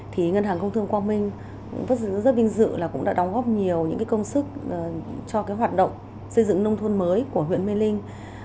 thì ngân hàng công thương quang minh rất vinh dự là cũng đã đóng góp nhiều công sức cho hoạt động xây dựng nông thuần mới của huyện mê linh